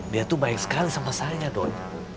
dia tuh baik sekali sama saya dong